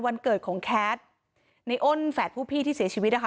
วันเกิดของแคทในอ้นแฝดผู้พี่ที่เสียชีวิตนะคะ